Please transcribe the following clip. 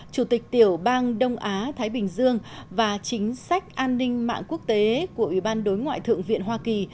chủ tịch tiểu bang đông á thái bình dương và chính sách an ninh mạng quốc tế của ủy ban đối ngoại thượng viện hoa kỳ